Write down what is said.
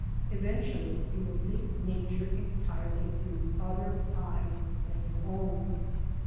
Eventually he will see Nature entirely through other eyes than his own.